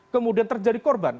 kemudian terjadi korban